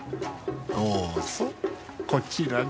どうぞこちらに。